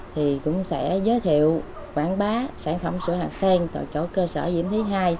thì cũng sẽ giới thiệu quảng bá sản phẩm sữa hạt sen tại chỗ cơ sở diễm thí hai